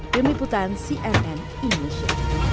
demi putaran cnn indonesia